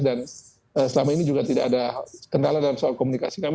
dan selama ini juga tidak ada kendala dalam soal komunikasi kami